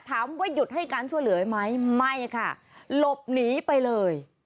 ถามว่าหยุดให้การช่วยเหลือไหมไม่ค่ะหลบหนีไปเลย